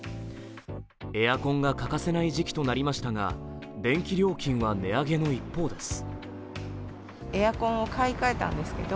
エアコンが欠かせない時期となりましたが電気料金は値上げの一方です。